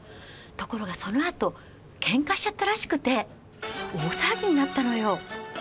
ところがそのあと喧嘩しちゃったらしくて大騒ぎになったのよ。